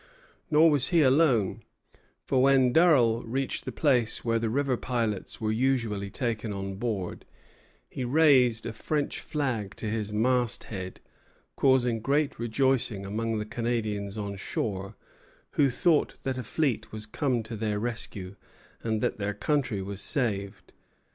Nor was he alone; for when Durell reached the place where the river pilots were usually taken on board, he raised a French flag to his mast head, causing great rejoicings among the Canadians on shore, who thought that a fleet was come to their rescue, and that their country was saved.